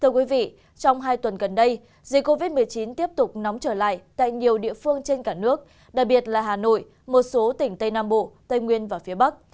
trong hai tuần gần đây dịch covid một mươi chín tiếp tục nóng trở lại tại nhiều địa phương trên cả nước đặc biệt là hà nội một số tỉnh tây nam bộ tây nguyên và phía bắc